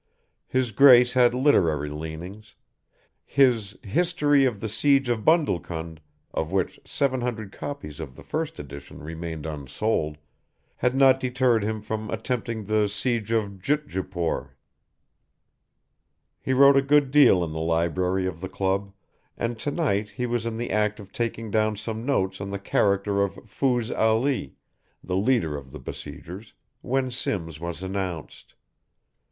His Grace had literary leanings. His "History of the Siege of Bundlecund," of which seven hundred copies of the first edition remained unsold, had not deterred him from attempting the "Siege of Jutjutpore." He wrote a good deal in the library of the club, and to night he was in the act of taking down some notes on the character of Fooze Ali, the leader of the besiegers, when Simms was announced.